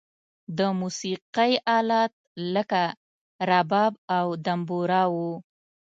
د موسیقی آلات لکه رباب او دمبوره و.